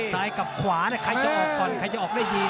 ซ้ายกับขวาใครจะออกก่อนใครจะออกได้ดี